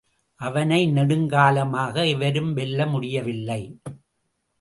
அவனை நெடுங்காலமாக எவரும் வெல்ல முடியவில்லை.